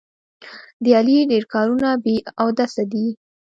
د علي ډېر کارونه بې اودسه دي.